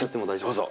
どうぞ。